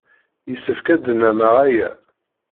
Yessefk ad nnameɣ aya.